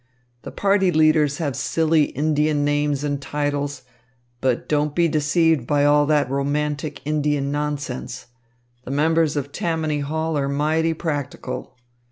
The party leaders have silly Indian names and titles. But don't be deceived by all that romantic Indian nonsense. The members of Tammany Hall are mighty practical.